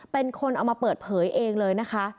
เป็นคนเอามาเปิดเผยเองเลยนะคะ